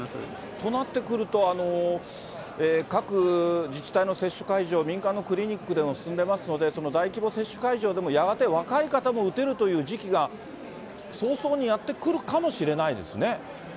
となってくると、各自治体の接種会場、民間のクリニックでも進んでますので、大規模接種会場でもやがて若い方も打てるという時期が早々にやっ